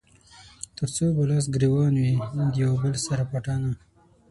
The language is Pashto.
تر څو به لاس ګرېوان وي د يو بل سره پټانــه